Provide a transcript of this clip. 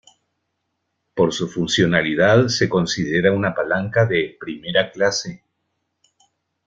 Por su funcionalidad se considera una palanca de "primera clase".